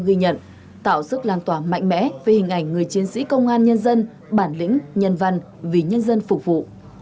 những hành động việc làm của cán bộ chiến sĩ công an nhân dân bản lĩnh nhân văn vì nhân dân phục vụ